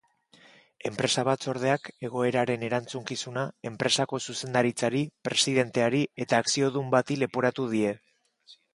Enpresa batzordeak egoeraren erantzukizuna enpresako zuzendaritzari, presidenteari eta akziodun bati leporatu die.